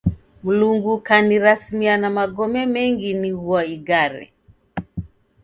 Mlungu kanirasimia na magome mengi nigua igare.